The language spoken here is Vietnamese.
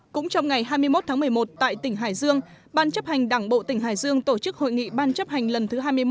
cũng trong ngày hai mươi một tháng một mươi một tại tỉnh hải dương ban chấp hành đảng bộ tỉnh hải dương tổ chức hội nghị ban chấp hành lần thứ hai mươi một